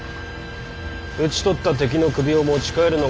討ち取った敵の首を持ち帰るのが困難な場合